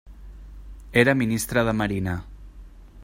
Era ministre de marina.